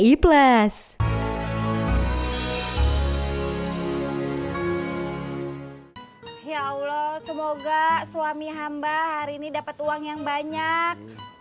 ya allah semoga suami hamba hari ini dapet uang yang banyak